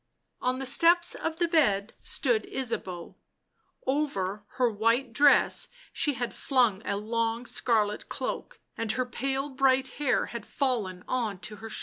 On the steps of the bed stood Ysabeau; over her white dress she had flung a long scarlet cloak, and her pale, bright hair had fallen on to her shoulders.